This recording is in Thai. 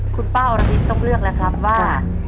คุณป้าอรพินต้องเลือกแล้วครับว่า